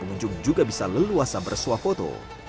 pengunjung juga bisa leluasa bersuah foto